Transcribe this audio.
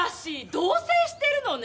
同棲してるのね！？